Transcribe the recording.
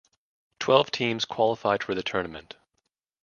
Twelve teams qualified for the tournament.